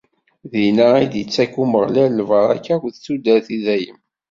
Dinna i d-ittak Umeɣlal lbaraka akked tudert i dayem.